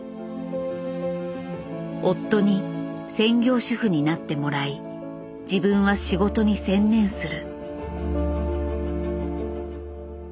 夫に専業主夫になってもらい自分は仕事に専念する。